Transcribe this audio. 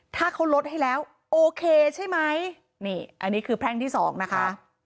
ถ้าเขาลดให้แล้วโอเคใช่ไหมนี่อันนี้คือแพร่งที่สองนะคะ